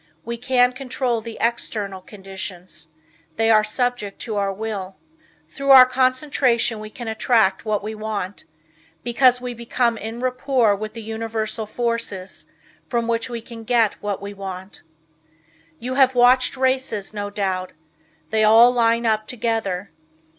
We can control the external conditions. They are subject to our will. Through our concentration we can attract what we want, because we became enrapport with the Universal forces, from which we can get what we want. You have watched races no doubt. They all line up together.